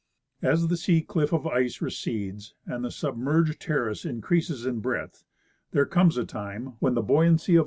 As the sea cliff of ice recedes and the submerged terrace in creases in breadth there comes a time when the buoyancy of the 15— Nat.